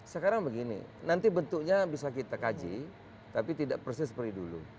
sekarang begini nanti bentuknya bisa kita kaji tapi tidak persis seperti dulu